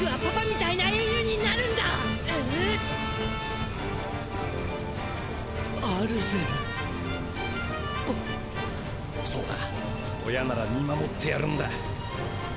そうだ親なら見守ってやるんだ。